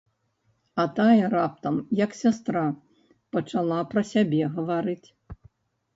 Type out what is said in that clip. А тая раптам, як сястра, пачала пра сябе гаварыць.